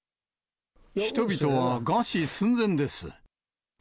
人々は餓死寸前です。